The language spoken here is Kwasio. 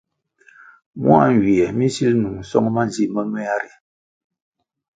Mua nywie mi nsil nung song manzi momea ri.